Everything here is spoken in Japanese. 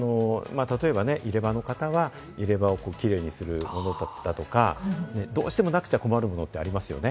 例えば入れ歯の方は入れ歯をキレイにするものだとか、どうしてもなくちゃ困るものってありますよね。